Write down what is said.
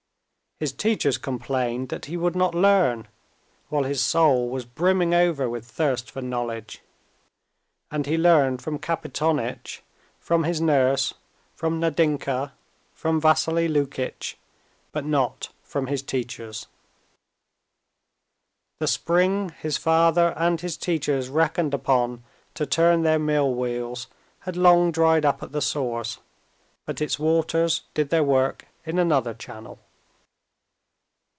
His teachers complained that he would not learn, while his soul was brimming over with thirst for knowledge. And he learned from Kapitonitch, from his nurse, from Nadinka, from Vassily Lukitch, but not from his teachers. The spring his father and his teachers reckoned upon to turn their mill wheels had long dried up at the source, but its waters did their work in another channel.